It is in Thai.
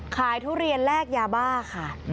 ทุเรียนแลกยาบ้าค่ะ